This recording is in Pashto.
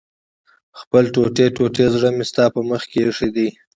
خپل ټوټې ټوټې زړه مې ستا په مخ کې ايښی دی